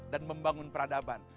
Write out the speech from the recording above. dan membangun peradaban